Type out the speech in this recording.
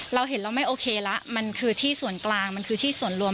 เราเห็นเราไม่โอเคแล้วมันคือที่ส่วนกลางมันคือที่ส่วนรวม